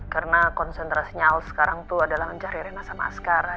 karena konsentrasinya alf sekarang tuh adalah mencari rena sama askara